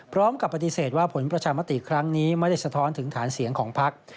พร้อมกับปฏิเสธว่าผลประชามติครั้งนี้ไม่ได้สะท้อนถึงฐานเสียงของพัก